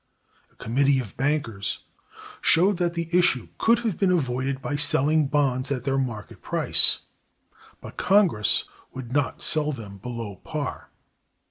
A committee of bankers showed that the issue could have been avoided by selling bonds at their market price; but Congress would not sell them below par.